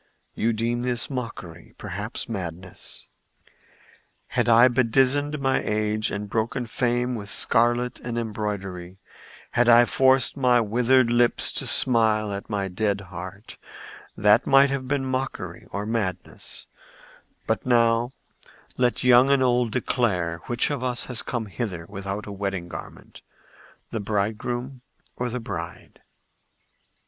"You deem this mockery—perhaps madness. Had I bedizened my aged and broken frame with scarlet and embroidery, had I forced my withered lips to smile at my dead heart, that might have been mockery or madness; but now let young and old declare which of us has come hither without a wedding garment—the bridegroom or the bride."